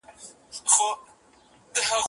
ستا دي تاج وي همېشه، لوړ دي نښان وي